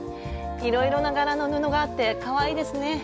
いろいろな柄の布があってかわいいですね。